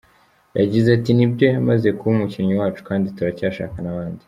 Yagize ati “Ni byo yamaze kuba umukinnyi wacu kandi turacyashaka n’abandi.